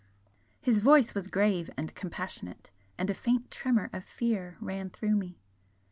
His voice was grave and compassionate, and a faint tremor of fear ran through me.